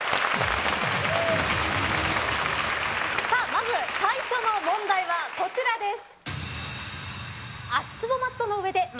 まず最初の問題はこちらです。